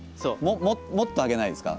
もっと上げないですか？